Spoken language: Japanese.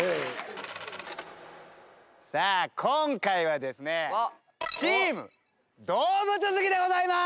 さあ、今回はですね、チーム動物好きでございます。